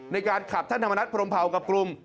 ในการขับท่านธรรมนัฐพรมเผากับกลุ่ม